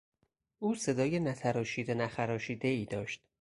او صدای نتراشیده نخراشیدهای داشت.